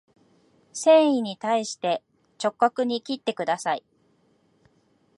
繊維に対して直角に切ってください